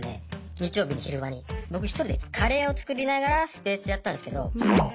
日曜日の昼間に僕１人でカレーを作りながらスペースやってたんですけどで